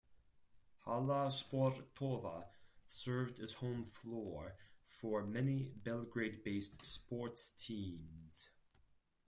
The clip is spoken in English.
Hala sportova served as home floor for many Belgrade-based sports teams.